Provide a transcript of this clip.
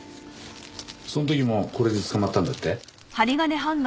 その時もこれで捕まったんだって？